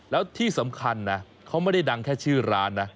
แล้วที่สำคัญนะเขาไม่ได้ดังแค่ชื่อร้านนะ